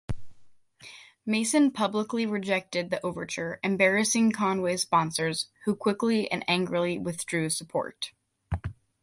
Mason publicly rejected the overture, embarrassing Conway's sponsors, who quickly and angrily withdrew support.